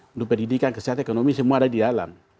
untuk pendidikan kesehatan ekonomi semua ada di dalam